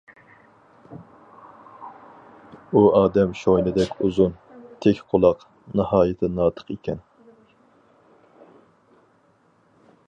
ئۇ ئادەم شوينىدەك ئۇزۇن، تىك قۇلاق، ناھايىتى ناتىق ئىكەن.